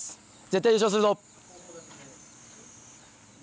絶対に優勝するぞ！